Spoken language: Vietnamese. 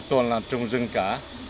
tùn là trồng rừng cá